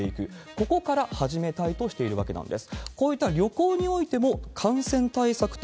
ここから始めたいとしているわけなんです。